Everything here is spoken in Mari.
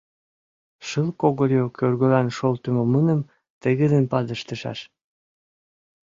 Шыл когыльо кӧргылан шолтымо муным тыгыдын падыштышаш.